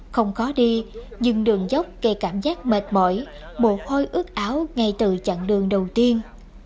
không khó đi dừng đường dốc kề cảm giác mệt mỏi một hôi ướt áo ngay từ chặng đường đầu tiên